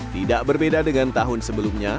tidak berbeda dengan tahun sebelumnya